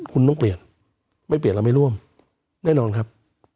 คุณต้องเปลี่ยนไม่เปลี่ยนแล้วไม่ร่วมแน่นอนครับ